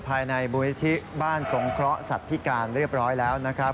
มูลนิธิบ้านสงเคราะห์สัตว์พิการเรียบร้อยแล้วนะครับ